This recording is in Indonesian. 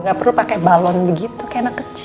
gak perlu pakai balon begitu kayak anak kecil